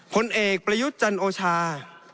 ผลเอกประยุทธ์จันโอชา